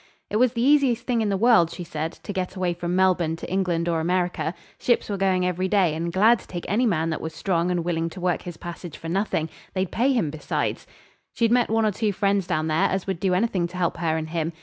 'It was the easiest thing in the world,' she said, 'to get away from Melbourne to England or America. Ships were going every day, and glad to take any man that was strong and willing to work his passage for nothing; they'd pay him besides.' She'd met one or two friends down there as would do anything to help her and him.